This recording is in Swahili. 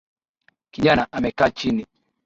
Kijana amekaa chini